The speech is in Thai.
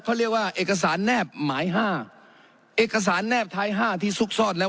เขาเรียกว่าเอกสารแนบหมายห้าเอกสารแนบท้ายห้าที่ซุกซ่อนแล้ว